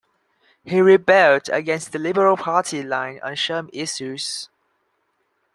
He rebelled against the Liberal Party line on some issues.